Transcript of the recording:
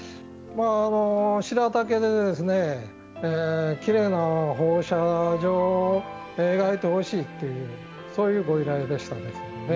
白竹できれいな放射状を描いてほしいっていうそういうご依頼でしたんですよね。